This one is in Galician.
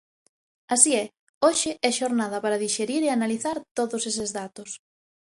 Así é, hoxe é xornada para dixerir e analizar todos eses datos.